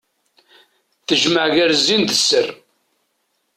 Tejmeɛ gar zzin d sser.